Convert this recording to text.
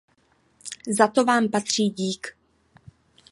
Za to vám patří dík.